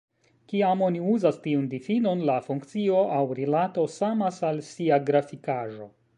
Kiam oni uzas tiun difinon, la funkcio aŭ rilato samas al sia grafikaĵo.